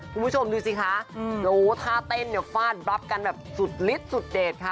คุณผู้ชมดูสิคะท่าเต้นฟาดบับกันแบบสุดฤทธิ์สุดเด็ดค่ะ